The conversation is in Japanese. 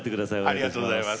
ありがとうございます。